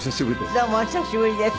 どうもお久しぶりです。